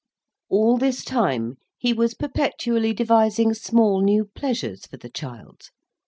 All this time, he was perpetually devising small new pleasures for the child.